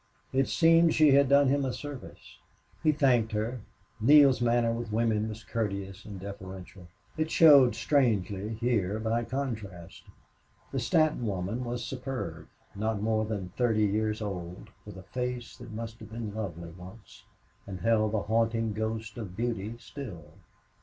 It seemed she had done him a service. He thanked her. Neale's manner with women was courteous and deferential. It showed strangely here by contrast. The Stanton woman was superb, not more than thirty years old, with a face that must have been lovely once and held the haunting ghost of beauty still.